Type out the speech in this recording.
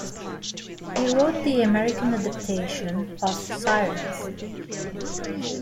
He wrote the American adaptation of "Sirens".